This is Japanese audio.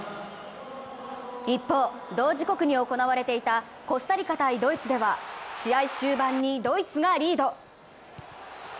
一方、同時刻に行われていたコスタリカ×ドイツでは試合終盤にドイツがリード。